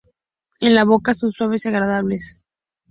En la boca son suaves y agradables.